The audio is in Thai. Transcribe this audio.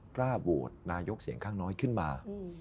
กล้าโหวตนายกเสียงข้างน้อยขึ้นมา